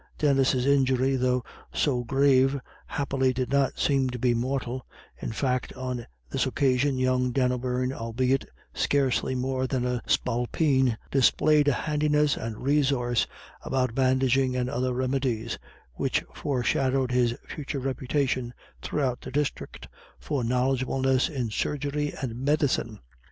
Denis's injury, though so grave, happily did not seem to be mortal, in fact, on this occasion young Dan O'Beirne, albeit scarcely more than a spalpeen, displayed a handiness and resource about bandaging and other remedies, which foreshadowed his future reputation throughout the district for knowledgableness in surgery and medicine.